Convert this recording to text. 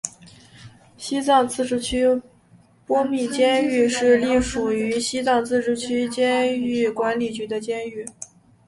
西藏自治区波密监狱是隶属于西藏自治区监狱管理局的监狱。